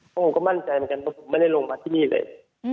เพราะผมก็มั่นใจเหมือนกันเพราะผมไม่ได้ลงมาที่นี่เลย